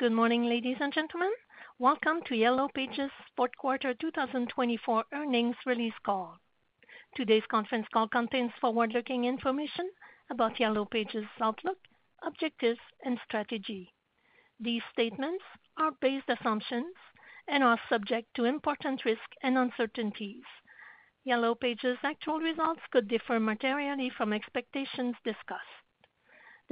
Good morning, ladies and gentlemen. Welcome to Yellow Pages Fourth Quarter 2024 Earnings Release Call. Today's conference call contains forward-looking information about Yellow Pages' outlook, objectives, and strategy. These statements are based on assumptions and are subject to important risk and uncertainties. Yellow Pages' actual results could differ materially from expectations discussed.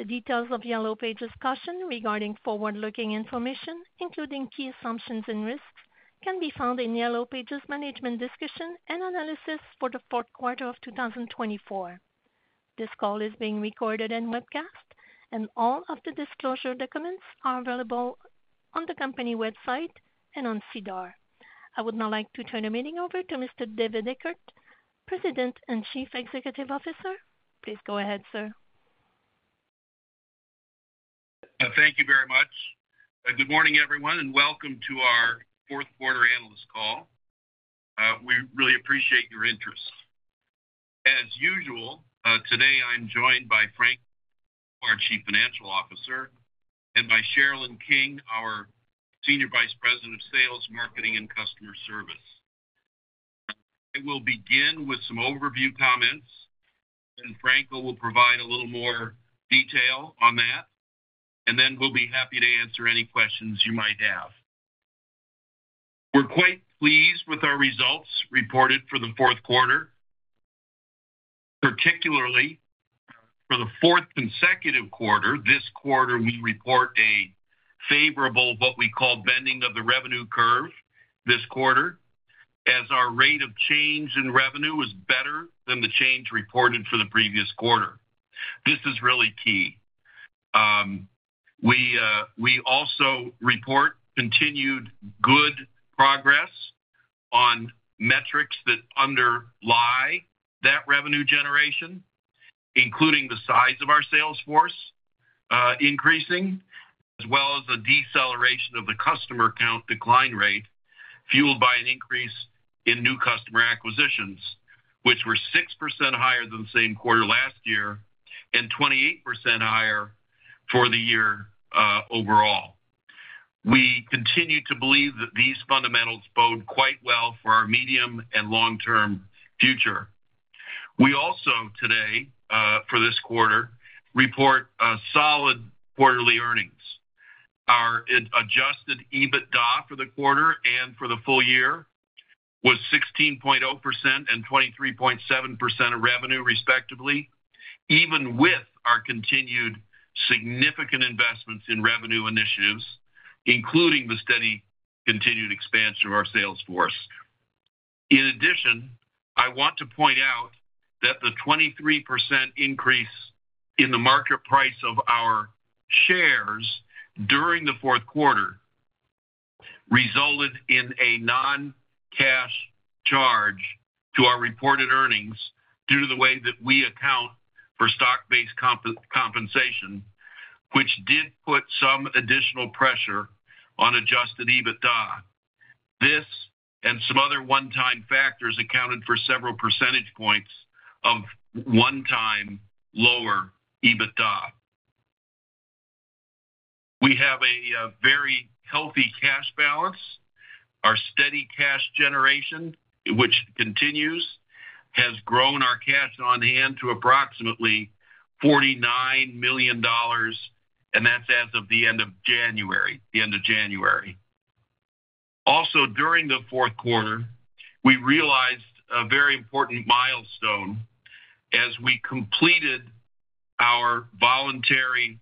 The details of Yellow Pages' caution regarding forward-looking information, including key assumptions and risks, can be found in Yellow Pages' management discussion and analysis for the fourth quarter of 2024. This call is being recorded and webcast, and all of the disclosure documents are available on the company website and on SEDAR. I would now like to turn the meeting over to Mr. David Eckert, President and Chief Executive Officer. Please go ahead, sir. Thank you very much. Good morning, everyone, and welcome to our fourth quarter analyst call. We really appreciate your interest. As usual, today I'm joined by Franco Sciannamblo, our Chief Financial Officer, and by Sherilyn King, our Senior Vice President of Sales, Marketing, and Customer Service. I will begin with some overview comments, and Franco will provide a little more detail on that, and then we'll be happy to answer any questions you might have. We're quite pleased with our results reported for the fourth quarter, particularly for the fourth consecutive quarter. This quarter, we report a favorable, what we call, bending of the revenue curve this quarter, as our rate of change in revenue is better than the change reported for the previous quarter. This is really key. We also report continued good progress on metrics that underlie that revenue generation, including the size of our sales force increasing, as well as a deceleration of the customer count decline rate fueled by an increase in new customer acquisitions, which were 6% higher than the same quarter last year and 28% higher for the year overall. We continue to believe that these fundamentals bode quite well for our medium and long-term future. We also today, for this quarter, report solid quarterly earnings. Our adjusted EBITDA for the quarter and for the full year was 16.0% and 23.7% of revenue, respectively, even with our continued significant investments in revenue initiatives, including the steady continued expansion of our sales force. In addition, I want to point out that the 23% increase in the market price of our shares during the fourth quarter resulted in a non-cash charge to our reported earnings due to the way that we account for stock-based compensation, which did put some additional pressure on adjusted EBITDA. This and some other one-time factors accounted for several percentage points of one-time lower EBITDA. We have a very healthy cash balance. Our steady cash generation, which continues, has grown our cash on hand to approximately 49 million dollars, and that's as of the end of January, the end of January. Also, during the fourth quarter, we realized a very important milestone as we completed our voluntary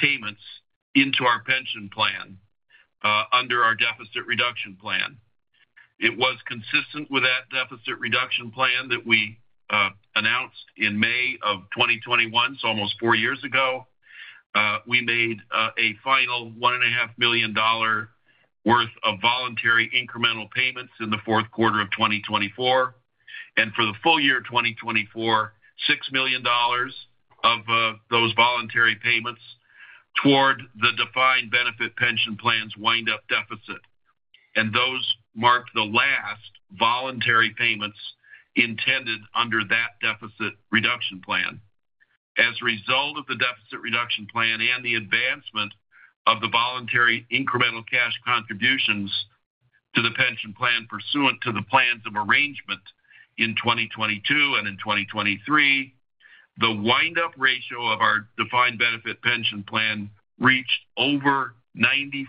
payments into our pension plan under our Deficit Reduction Plan. It was consistent with that Deficit Reduction Plan that we announced in May of 2021, so almost four years ago. We made a final 1.5 million dollar worth of voluntary incremental payments in the fourth quarter of 2024. For the full year 2024, 6 million dollars of those voluntary payments toward the defined benefit pension plan's wind-up deficit. Those marked the last voluntary payments intended under that Deficit Reduction Plan. As a result of the Deficit Reduction Plan and the advancement of the voluntary incremental cash contributions to the pension plan pursuant to the Plans of Arrangement in 2022 and in 2023, the wind-up ratio of our defined benefit pension plan reached over 95%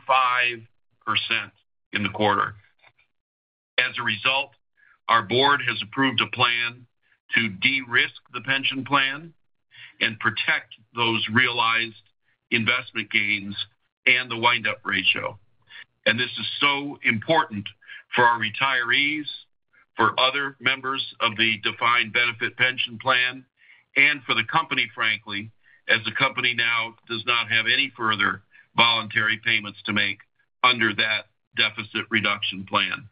in the quarter. As a result, our board has approved a plan to de-risk the pension plan and protect those realized investment gains and the wind-up ratio. This is so important for our retirees, for other members of the defined benefit pension plan, and for the company, frankly, as the company now does not have any further voluntary payments to make under that Deficit Reduction Plan.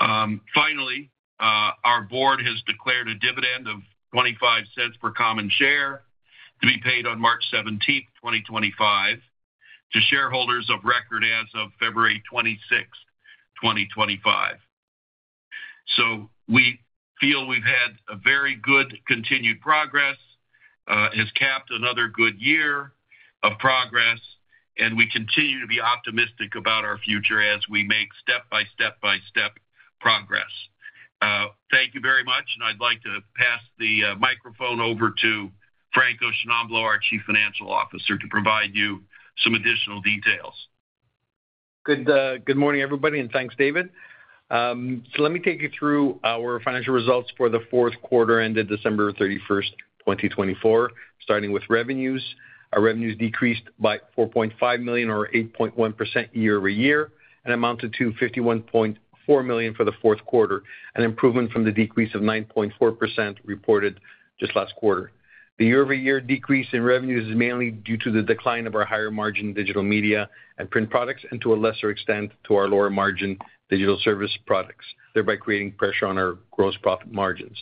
Finally, our board has declared a dividend of 0.25 per common share to be paid on March 17th, 2025, to shareholders of record as of February 26th, 2025. We feel we have had very good continued progress, has capped another good year of progress, and we continue to be optimistic about our future as we make step-by-step-by-step progress. Thank you very much, and I would like to pass the microphone over to Franco Sciannamblo, our Chief Financial Officer, to provide you some additional details. Good morning, everybody, and thanks, David. Let me take you through our financial results for the fourth quarter ended December 31st, 2024. Starting with revenues, our revenues decreased by 4.5 million, or 8.1% year-over-year, and amounted to 51.4 million for the fourth quarter, an improvement from the decrease of 9.4% reported just last quarter. The year-over-year decrease in revenues is mainly due to the decline of our higher margin digital media and print products, and to a lesser extent to our lower margin digital service products, thereby creating pressure on our gross profit margins.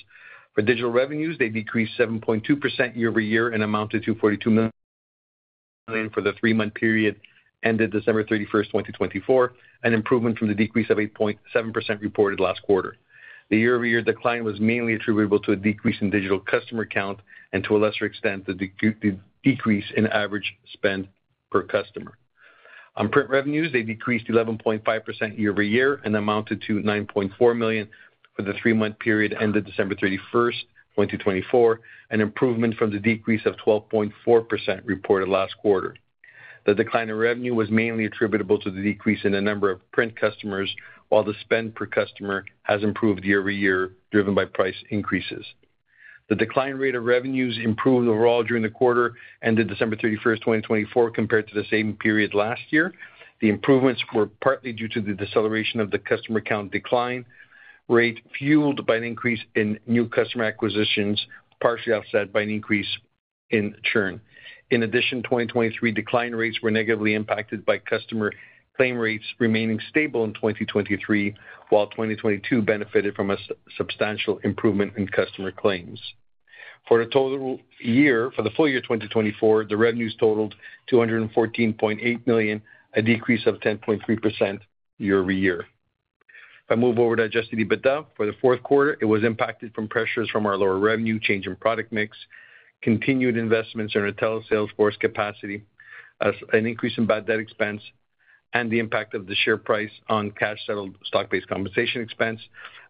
For digital revenues, they decreased 7.2% year over year and amounted to 42 million for the three-month period ended December 31st, 2024, an improvement from the decrease of 8.7% reported last quarter. The year-over-year decline was mainly attributable to a decrease in digital customer count and, to a lesser extent, the decrease in average spend per customer. On print revenues, they decreased 11.5% year over year and amounted to 9.4 million for the three-month period ended December 31st, 2024, an improvement from the decrease of 12.4% reported last quarter. The decline in revenue was mainly attributable to the decrease in the number of print customers, while the spend per customer has improved year over year, driven by price increases. The decline rate of revenues improved overall during the quarter ended December 31st, 2024, compared to the same period last year. The improvements were partly due to the deceleration of the customer count decline rate, fueled by an increase in new customer acquisitions, partially offset by an increase in churn. In addition, 2023 decline rates were negatively impacted by customer claim rates remaining stable in 2023, while 2022 benefited from a substantial improvement in customer claims. For the full year 2024, the revenues totaled 214.8 million, a decrease of 10.3% year over year. If I move over to adjusted EBITDA for the fourth quarter, it was impacted from pressures from our lower revenue, change in product mix, continued investments in our telesales force capacity, an increase in bad debt expense, and the impact of the share price on cash-settled stock-based compensation expense,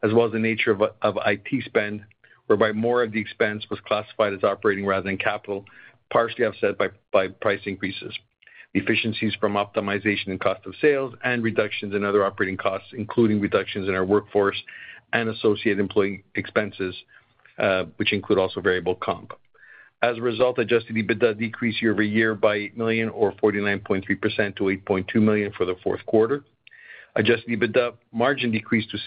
as well as the nature of IT spend, whereby more of the expense was classified as operating rather than capital, partially offset by price increases, efficiencies from optimization and cost of sales, and reductions in other operating costs, including reductions in our workforce and associated employee expenses, which include also variable comp. As a result, adjusted EBITDA decreased year over year by 8 million, or 49.3% to 8.2 million for the fourth quarter. Adjusted EBITDA margin decreased to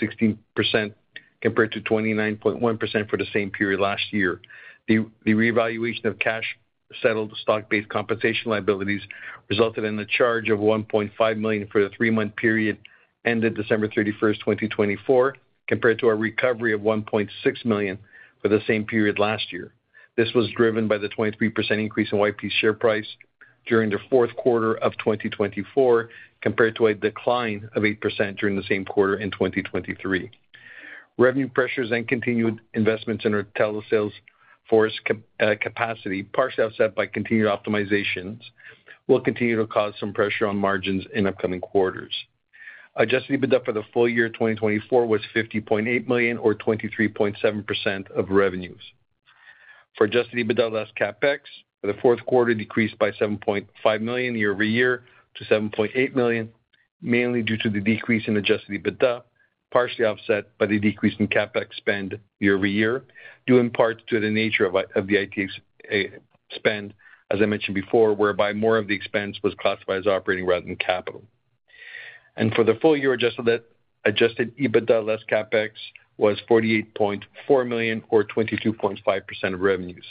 16% compared to 29.1% for the same period last year. The reevaluation of cash-settled stock-based compensation liabilities resulted in a charge of 1.5 million for the three-month period ended December 31st, 2024, compared to a recovery of 1.6 million for the same period last year. This was driven by the 23% increase in YP's share price during the fourth quarter of 2024, compared to a decline of 8% during the same quarter in 2023. Revenue pressures and continued investments in our telesales force capacity, partially offset by continued optimizations, will continue to cause some pressure on margins in upcoming quarters. Adjusted EBITDA for the full year 2024 was 50.8 million, or 23.7% of revenues. For adjusted EBITDA less CapEx, the fourth quarter decreased by 7.5 million year over year to 7.8 million, mainly due to the decrease in adjusted EBITDA, partially offset by the decrease in CapEx spend year over year, due in part to the nature of the IT spend, as I mentioned before, whereby more of the expense was classified as operating rather than capital. For the full year, adjusted EBITDA less CapEx was 48.4 million, or 22.5% of revenues.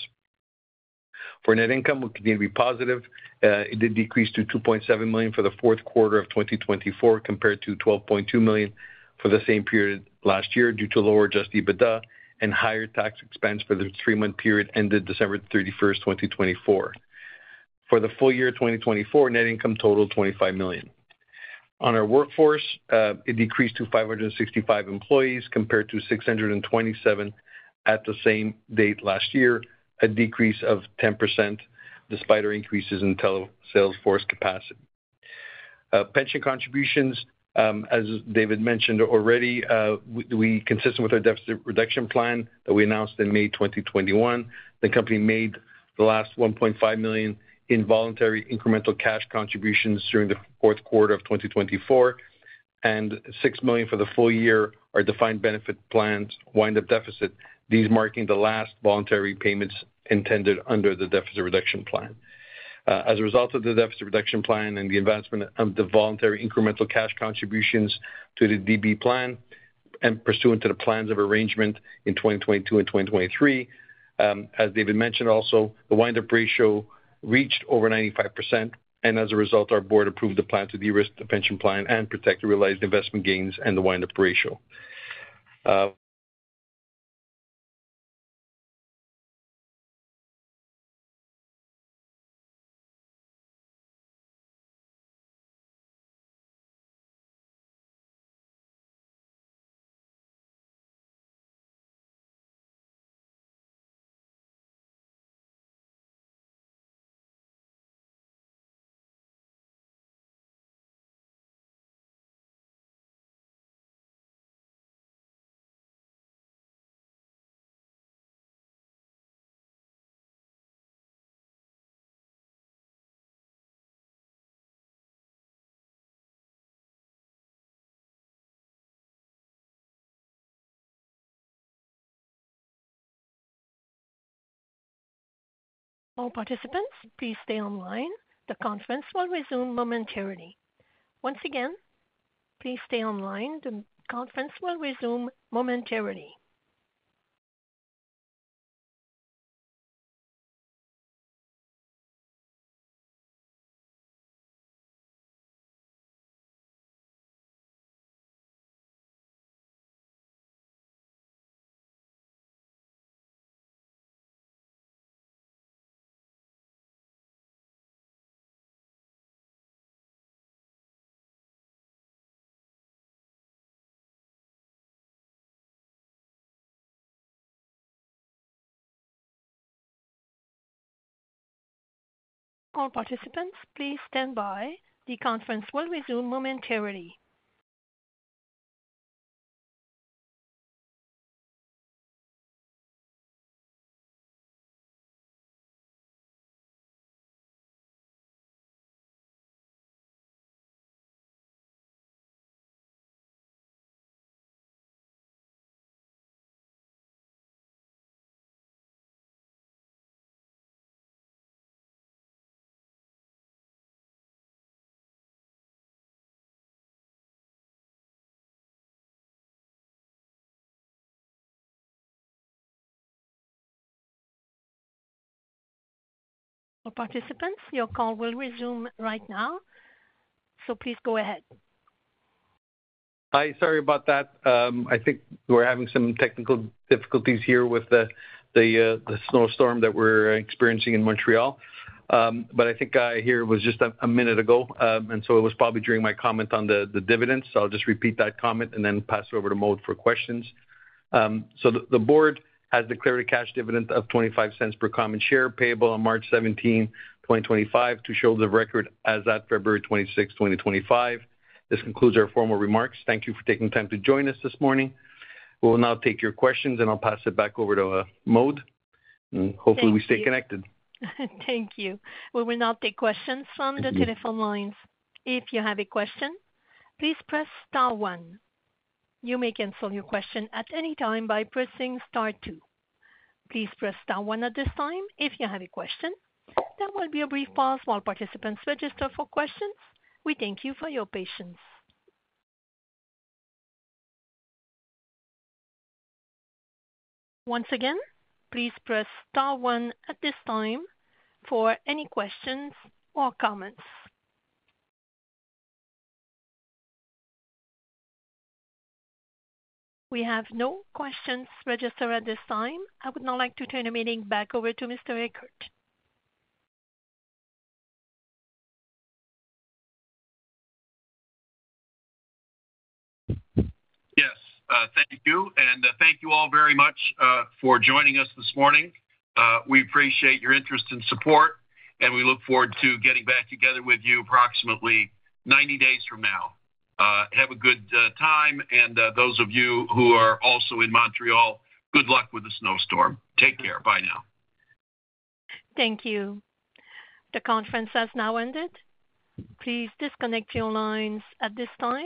For net income, we will continue to be positive. It did decrease to 2.7 million for the fourth quarter of 2024, compared to 12.2 million for the same period last year, due to lower adjusted EBITDA and higher tax expense for the three-month period ended December 31st, 2024. For the full year 2024, net income totaled 25 million. On our workforce, it decreased to 565 employees, compared to 627 at the same date last year, a decrease of 10% despite our increases in telesales force capacity. Pension contributions, as David mentioned already, were consistent with our Deficit Reduction Plan that we announced in May 2021. The company made the last 1.5 million in voluntary incremental cash contributions during the fourth quarter of 2024, and 6 million for the full year to our defined benefit plan's wind-up deficit, these marking the last voluntary payments intended under the Deficit Reduction Plan. As a result of the Deficit Reduction Plan and the advancement of the voluntary incremental cash contributions to the DB plan and pursuant to the plans of arrangement in 2022 and 2023, as David mentioned also, the wind-up ratio reached over 95%, and as a result, our board approved the plan to de-risk the pension plan and protect realized investment gains and the wind-up ratio. All participants, please stay online. The conference will resume momentarily. Once again, please stay online. The conference will resume momentarily. All participants, please stand by. The conference will resume momentarily. All participants, your call will resume right now. Please go ahead. Hi, sorry about that. I think we're having some technical difficulties here with the snowstorm that we're experiencing in Montreal. I think I hear it was just a minute ago, and it was probably during my comment on the dividends. I'll just repeat that comment and then pass it over to Mo for questions. The board has declared a cash dividend of 0.25 per common share payable on March 17th, 2025, to shareholders of record as of February 26th, 2025. This concludes our formal remarks. Thank you for taking time to join us this morning. We will now take your questions, and I'll pass it back over to Mo. Hopefully, we stay connected. Thank you. We will now take questions from the telephone lines. If you have a question, please press star one. You may cancel your question at any time by pressing star two. Please press star one at this time if you have a question. There will be a brief pause while participants register for questions. We thank you for your patience. Once again, please press star one at this time for any questions or comments. We have no questions registered at this time. I would now like to turn the meeting back over to Mr. Eckert. Yes, thank you. Thank you all very much for joining us this morning. We appreciate your interest and support, and we look forward to getting back together with you approximately 90 days from now. Have a good time. Those of you who are also in Montreal, good luck with the snowstorm. Take care. Bye now. Thank you. The conference has now ended. Please disconnect your lines at this time,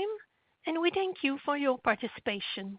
and we thank you for your participation.